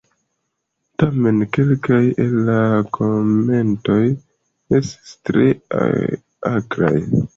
Tamen kelkaj el la komentoj estis tre akraj.